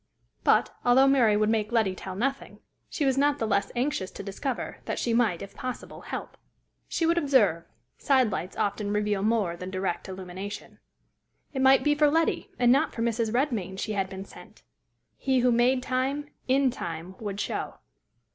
But, although Mary would make Letty tell nothing, she was not the less anxious to discover, that she might, if possible, help. She would observe: side lights often reveal more than direct illumination. It might be for Letty, and not for Mrs. Redmain, she had been sent. He who made time in time would show.